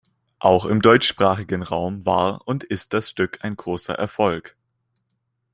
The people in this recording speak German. Auch im deutschsprachigen Raum war und ist das Stück ein großer Erfolg.